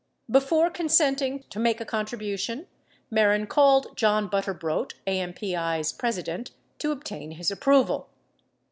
31 Before consenting to make a contribution, Mehren called John Butterbrodt, AMPI's Presi dent, to obtain his approval.